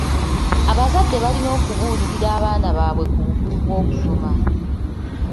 Abazadde balina okubuulirira abaana baabwe ku bukulu bw'okusoma.